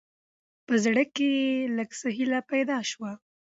په زړه، کې يې لېږ څه هېله پېدا شوه.